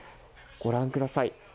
ご覧ください。